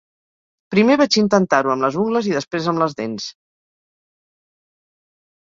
Primer vaig intentar-ho amb les ungles i després amb les dents.